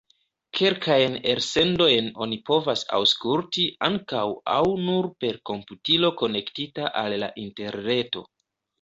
Kelkajn elsendojn oni povas aŭskulti ankaŭ aŭ nur per komputilo konektita al la interreto.